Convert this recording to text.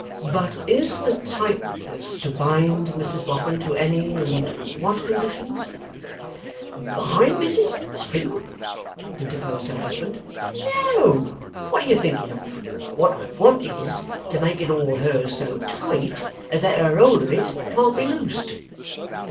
But is the tightness to bind Mrs Boffin to any and what conditions?' 'Bind Mrs Boffin?' interposed her husband. 'No! What are you thinking of! What I want is, to make it all hers so tight as that her hold of it can't be loosed.